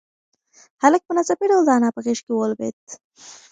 هلک په ناڅاپي ډول د انا په غېږ کې ولوېد.